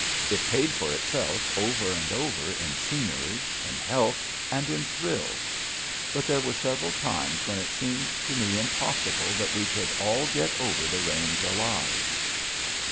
It paid for itself over and over in scenery, in health, and in thrills. But there were several times when it seemed to me impossible that we could all get over the range alive.